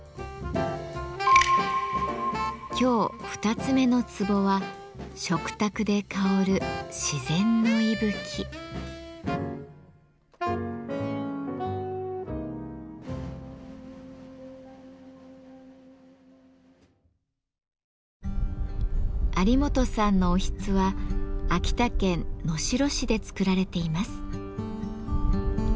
今日二つ目のツボは有元さんのおひつは秋田県能代市で作られています。